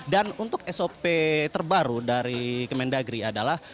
dan untuk sop terbaru dari kementerian dalam negeri adalah